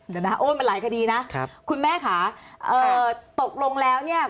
เดี๋ยวนะโอ้ยมันหลายคดีนะครับคุณแม่ค่ะเอ่อตกลงแล้วเนี่ย